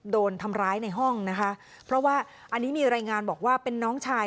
โดนทำร้ายในห้องนะคะเพราะว่าอันนี้มีรายงานบอกว่าเป็นน้องชาย